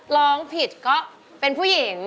ร้องผิดก็เป็นผู้หญิง